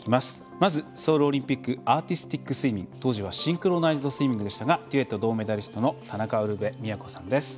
まず、ソウルオリンピックアーティスティックスイミング当時はシンクロナイズドスイミングでしたがデュエット銅メダリストの田中ウルヴェ京さんです。